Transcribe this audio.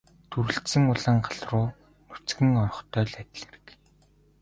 Дүрэлзсэн улаан гал руу нүцгэн орохтой л адил хэрэг.